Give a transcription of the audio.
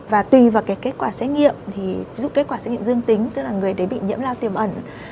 và tùy vào kết quả xét nghiệm ví dụ kết quả xét nghiệm dương tính tức là người đấy bị nhiễm lao tiềm ẩn